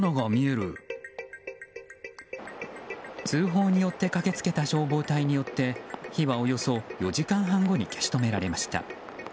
通報を受け駆けつけた消防隊によって火はおよそ４時間半後に消し止められました。